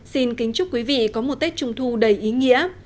xin kính chúc quý vị có một tết trung thu đầy ý nghĩa